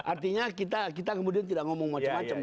artinya kita kemudian tidak ngomong macam macam